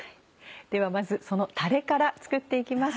ではまずそのタレから作って行きます。